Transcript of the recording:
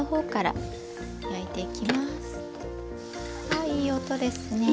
あいい音ですね。